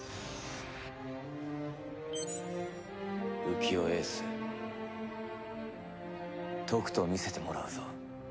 浮世英寿とくと見せてもらうぞ。